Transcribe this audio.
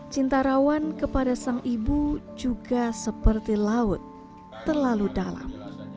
cinta rawan kepada sang ibu juga seperti laut terlalu dalam